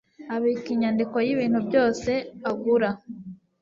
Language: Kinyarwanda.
Abika inyandiko yibintu byose agura.